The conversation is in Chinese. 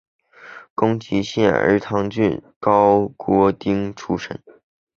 宫崎县儿汤郡高锅町出身。